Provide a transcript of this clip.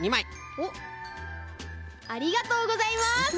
おっありがとうございます！